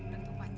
pak pak pak